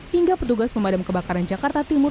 hingga petugas pemadam kebakaran jakarta timur